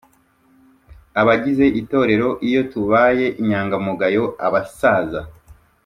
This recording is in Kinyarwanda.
abagize itorero Iyo tubaye inyangamugayo abasaza